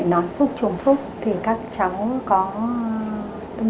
nó phải tru đạo